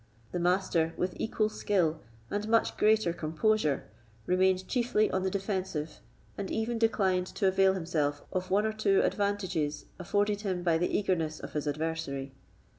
The Master, with equal skill, and much greater composure, remained chiefly on the defensive, and even declined to avail himself of one or two advantages afforded him by the eagerness of his adversary.